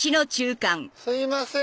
すいません！